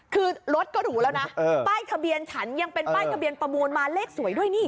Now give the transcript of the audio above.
คือรถก็หรูแล้วนะป้ายทะเบียนฉันยังเป็นป้ายทะเบียนประมูลมาเลขสวยด้วยนี่